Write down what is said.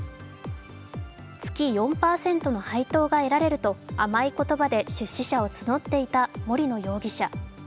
月４％の配当が得られると甘い言葉で出資者を募っていた森野容疑者。